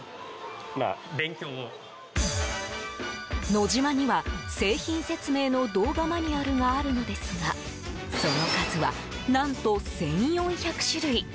ノジマには、製品説明の動画マニュアルがあるのですがその数は、何と１４００種類！